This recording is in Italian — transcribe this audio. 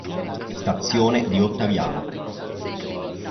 Stazione di Ottaviano